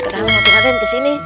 tidak apa apa raden kesini